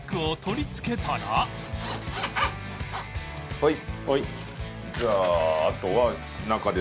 はい。